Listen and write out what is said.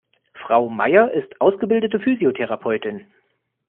Frau Maier ist ausgebildete Physiotherapeutin.